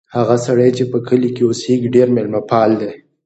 هغه سړی چې په کلي کې اوسیږي ډېر مېلمه پال دی.